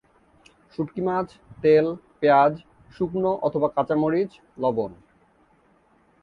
শুঁটকি মাছ, তেল, পেঁয়াজ, শুকনো অথবা কাঁচা মরিচ, লবণ।